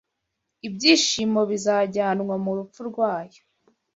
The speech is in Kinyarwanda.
Ibyishimo bizajyanwa mu rupfu rwayo